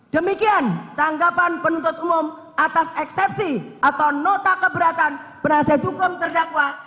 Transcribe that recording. demikian tanggapan penuntut umum atas eksepsi atau nota keberatan penasihat hukum terdakwa